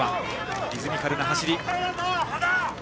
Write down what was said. リズミカルな走り。